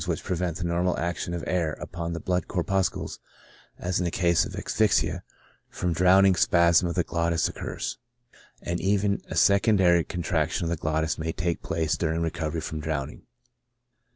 19 which prevent the normal action of air upon the blood corpuscles, as in cases of asphyxia from drowning, spasm of the glottis occurs ; and even a secondary contrac tion of the glottis may take place during recovery from drowning.